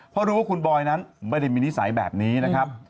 เพราะรู้ว่าคุณบอยนั้นไม่ได้มีนิสัยแบบนี้นะครับ